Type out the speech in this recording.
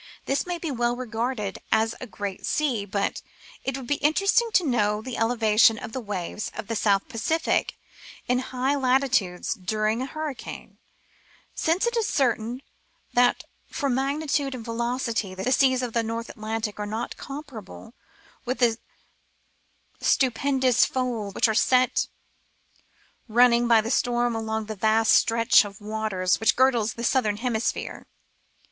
This may well be regarded as a great isea, but it would be interesting to know the elevation of the waves of the South Pacific in high latitudes during a hurricane, since it is certain that for magnitude and velocity the seas of the North Atlantic are not com parable with the stupendous folds which are set running by the storm along the vast stretch of waters which girdles the Southern Hemisphere.